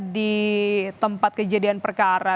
di tempat kejadian perkara